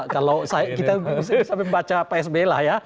kalau saya kita harusnya sampai baca psb lah ya